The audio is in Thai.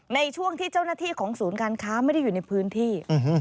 ในช่วงที่เจ้าหน้าที่ของศูนย์การค้าไม่ได้อยู่ในพื้นที่